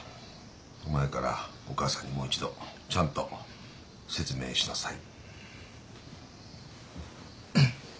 お前からお母さんにもう一度ちゃんと説明しなさい。